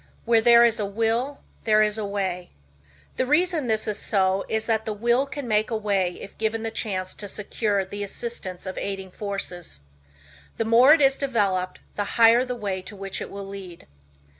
"Where There Is A Will There Is A Way." The reason this is so is that the Will can make a way if given the chance to secure the assistance of aiding forces. The more it is developed the higher the way to which it will lead.